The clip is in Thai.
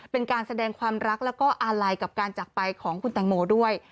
เป็นการแสดงความรักแล้วก็อาลัยกับการจักรไปของคุณแตงโมด้วย